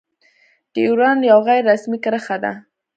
ډيورنډ يو غير رسمي کرښه ده.